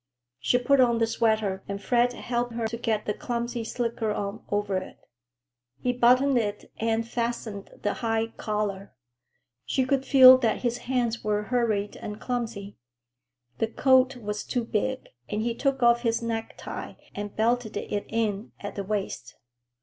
She put on the sweater and Fred helped her to get the clumsy slicker on over it. He buttoned it and fastened the high collar. She could feel that his hands were hurried and clumsy. The coat was too big, and he took off his necktie and belted it in at the waist.